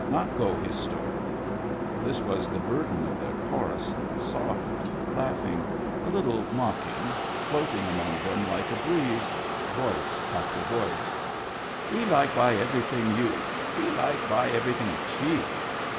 Not go his store." This was the burden of their chorus, soft, laughing, a little mocking, floating among them like a breeze, voice after voice :— "We like buy everything you, we like buy everything cheap."